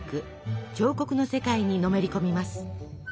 彫刻の世界にのめり込みます。